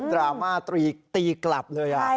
ดราม่าตีกลับเลย